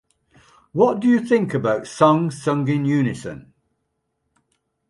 What do you think about songs sung in unison?